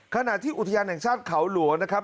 ขณะที่อุทยานแห่งชาติเขาหลวงนะครับ